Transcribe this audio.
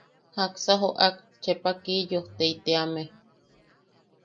¿Jaksa joʼak Chepa Kiyojtei teame?